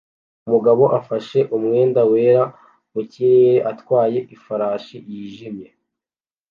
Umugabo afashe umwenda wera mu kirere atwaye ifarashi yijimye